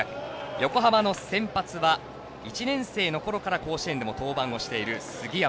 横浜の先発は１年生のころから甲子園で登板している杉山。